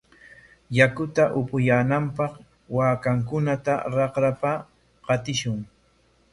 Yakuta apuyaananpaq waakakunata raqrapa qatishun.